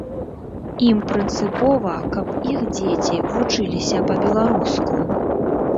Ім прынцыпова, каб іх дзеці вучыліся па-беларуску.